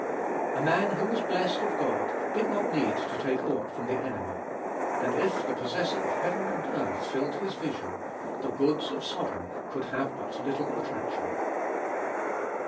A man who was "blessed" of God did not need to take aught from the enemy; and if "the possessor of heaven and earth" filled his vision, "the goods" of Sodom could have but little attraction.